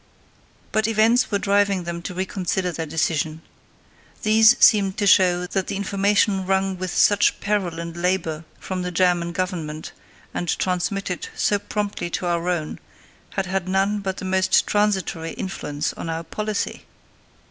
But events were driving them to reconsider their decision. These seemed to show that the information wrung with such peril and labour from the German Government, and transmitted so promptly to our own, had had none but the most transitory influence on our policy.